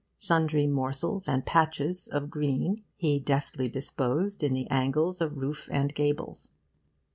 Sundry morsels and patches of green he deftly disposed in the angles of roof and gables.